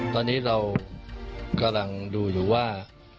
ตอนนี้เรากำลังดูอยู่ว่า